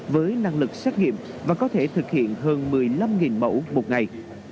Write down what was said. với năng lực xét nghiệm và có thể thực hiện hơn một mươi năm mẫu một ngày